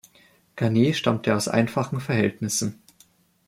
Garnier stammte aus einfachen Verhältnissen.